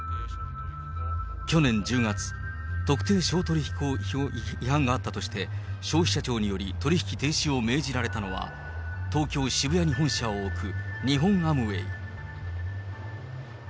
去年１０月、特定商取引法違反があったとして、消費者庁により取引停止を命じられたのは、東京・渋谷に本社を置く日本アムウェイ。